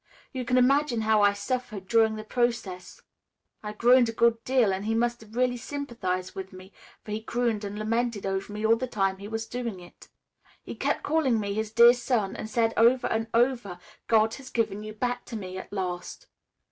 You can imagine how I suffered during the process. I groaned a good deal and he must have really sympathized with me, for he crooned and lamented over me all the time he was doing it. He kept calling me his dear son and said over and over, 'God has given you back to me at last.'